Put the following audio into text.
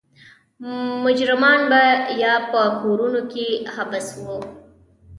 مجرمان به یا په کورونو کې حبس وو.